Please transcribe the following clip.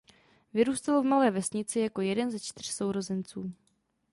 Vyrůstal v malé vesnici jako jeden ze čtyř sourozenců.